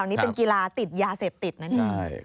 อันนี้เป็นกีฬาติดยาเสพติดนะเนี่ย